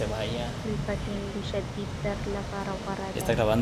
ټریپټان د شدید درد لپاره غوره دي.